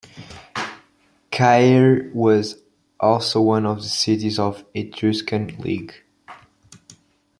Caere was also one of the cities of the Etruscan League.